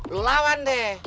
lu lawan deh